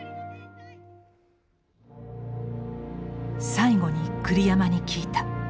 最後に栗山に聞いた。